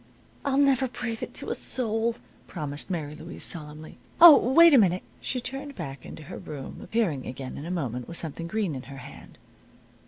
"I'll never breathe it to a soul," promised Mary Louise, solemnly. "Oh, wait a minute." She turned back into her room, appearing again in a moment with something green in her hand.